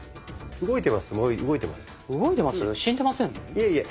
いえいえ。